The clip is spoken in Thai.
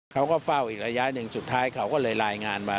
เขาก็เฝ้าอีกระยะหนึ่งสุดท้ายเขาก็เลยรายงานมา